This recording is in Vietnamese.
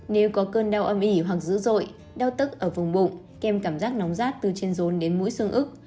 nếu có cơn đau âm ỉ hoặc dữ dội đau tức ở vùng bụng kèm cảm giác nóng rát từ trên rốn đến mũi xương ức